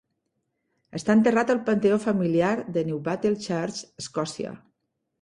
Està enterrat al panteó familiar de Newbattle Church, Escòcia.